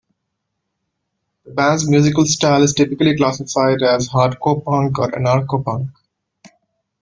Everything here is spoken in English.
The band's musical style is typically classified as hardcore punk or anarcho-punk.